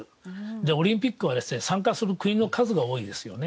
オリンピックは参加する国の数が多いですよね。